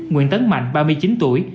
nguyễn tấn mạnh ba mươi chín tuổi